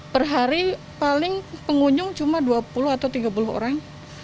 per hari paling pengunjung cuma dua puluh atau tiga puluh orang